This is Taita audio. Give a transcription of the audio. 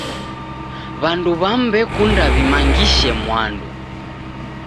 W'andu w'amu w'ekunda w'imangishe mwandu.